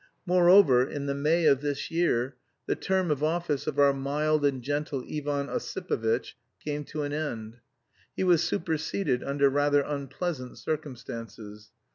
Moreover, in the May of this year, the term of office of our mild and gentle Ivan Ossipovitch came to an end. He was superseded under rather unpleasant circumstances.